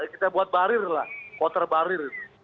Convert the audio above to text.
kita buat barir lah kotor barir gitu